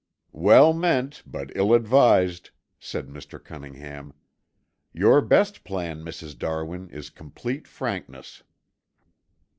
"Well meant, but ill advised," said Mr. Cunningham. "Your best plan, Mrs. Darwin, is complete frankness."